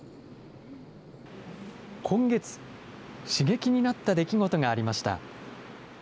今月、刺激になった出来事がありました。